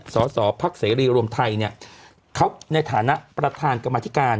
สอสอภักดิ์เสรีรวมไทยเขาในฐานะประธานกรรมอาทิการ